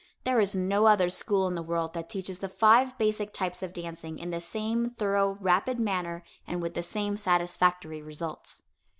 There is no other school in the world that teaches the five basic types of dancing in the same thorough, rapid manner and with the same satisfactory results.